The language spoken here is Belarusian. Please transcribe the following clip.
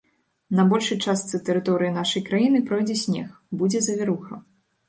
На большай частцы тэрыторыі нашай краіны пройдзе снег, будзе завіруха.